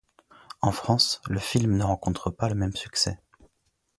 En France, le film ne rencontre pas le même succès.